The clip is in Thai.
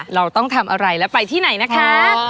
เราต้องทำอะไรแล้วไปที่ไหนนะคะ